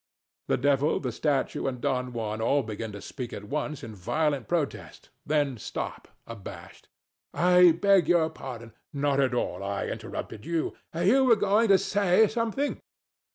The Devil, the Statue, and Don Juan all begin to speak at once in violent protest; then stop, abashed. DON JUAN. I beg your pardon. THE DEVIL. Not at all. I interrupted you. THE STATUE. You were going to say something.